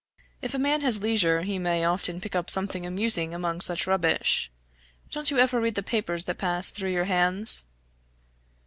If a man has leisure, he may often pick up something amusing among such rubbish. Don't you ever read the papers that pass through your hands?"